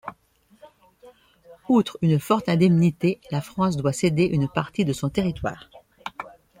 Outre une forte indemnité, la France doit céder une partie de son territoire.